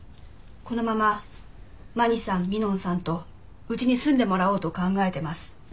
このまままにさんみのんさんとうちに住んでもらおうと考えてます。